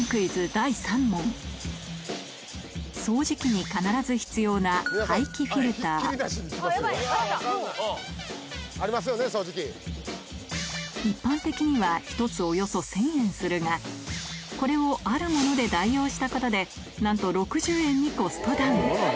第３問掃除機に必ず必要な一般的には１つおよそ１０００円するがこれをあるもので代用したことでなんと６０円にコストダウン